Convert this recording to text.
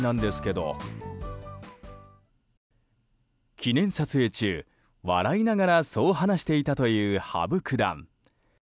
記念撮影中、笑いながらそう話していたという羽生九段。